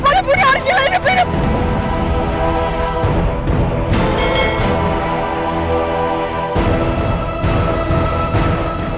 kau paling mudah arsila hidup hidup